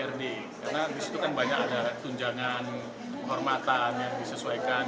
karena di situ kan banyak ada tunjangan kehormatan yang disesuaikan